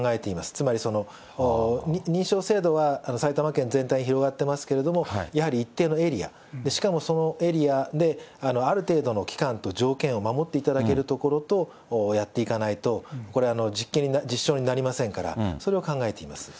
つまり、認証制度は埼玉県全体に広がってますけれども、やはり一定のエリア、しかもそのエリアで、ある程度の期間と条件を守っていただける所と、やっていかないと、これ、実証になりませんから、それを考えています。